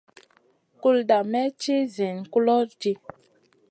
Kulda may ci ziyn kulo ɗi.